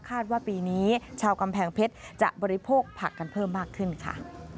ว่าปีนี้ชาวกำแพงเพชรจะบริโภคผักกันเพิ่มมากขึ้นค่ะ